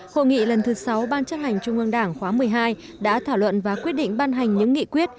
hội nghị lần thứ sáu ban chấp hành trung ương đảng khóa một mươi hai đã thảo luận và quyết định ban hành những nghị quyết